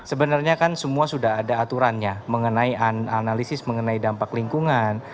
sebenarnya kan semua sudah ada aturannya mengenai analisis mengenai dampak lingkungan